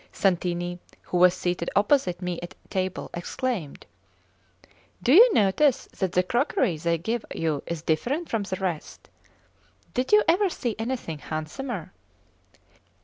Santini, who was seated opposite me at table exclaimed: "Do you notice that the crockery they give you is different from the rest? Did you ever see anything handsomer?"